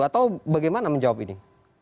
atau bagaimana menjawab ini